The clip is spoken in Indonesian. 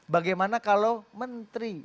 bagaimana kalau menteri